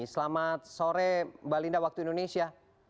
selamat sore mbak linda waktu indonesia